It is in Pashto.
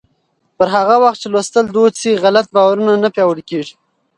پر هغه وخت چې لوستل دود شي، غلط باورونه نه پیاوړي کېږي.